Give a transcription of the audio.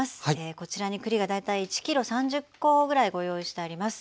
こちらに栗が大体１ｋｇ３０コぐらいご用意してあります。